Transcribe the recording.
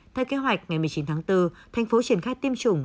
theo kế hoạch ngày một mươi chín tháng bốn tp hcm triển khai tiêm chủng